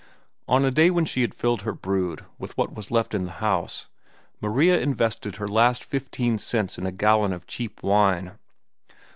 On a day when she had filled her brood with what was left in the house, Maria invested her last fifteen cents in a gallon of cheap wine.